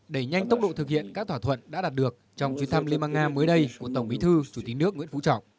đối tượng thực hiện các thỏa thuận đã đạt được trong chuyến thăm liên bang nga mới đây của tổng bí thư chủ tính nước nguyễn phú trọng